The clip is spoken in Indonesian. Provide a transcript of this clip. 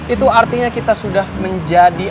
itu artinya kita sudah menjadi